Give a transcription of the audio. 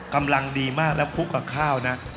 กำลังดีมากแล้วคลุกกับข้าวนะ